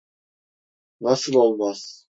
Nasıl olmaz?